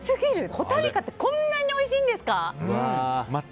ホタルイカってこんなにおいしいんですか！